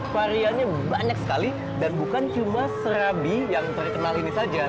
variannya banyak sekali dan bukan cuma serabi yang terkenal ini saja